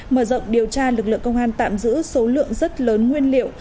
mở rộng điều tra lực lượng công an tạm giữ số lượng rất lớn nguyên liệu